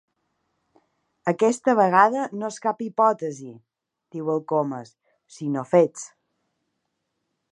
Aquesta vegada no és cap hipòtesi —diu el Comas—, sinó fets.